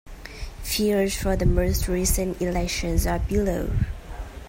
Figures for the most recent elections are below.